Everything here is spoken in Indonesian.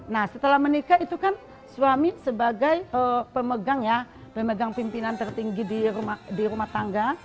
nah setelah menikah itu kan suami sebagai pemegang ya pemegang pimpinan tertinggi di rumah tangga